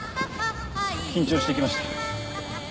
緊張してきました。